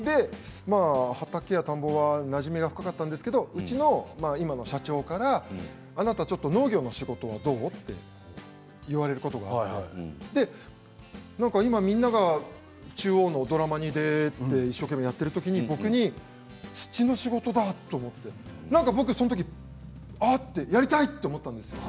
畑や田んぼはなじみが深かったんですけど今の社長からあなたちょっと農業の仕事どう？と言われることがあってみんなが中央のドラマに出て一生懸命やってる時に僕、土の仕事だと思って僕その時、やりたいと思ったんです。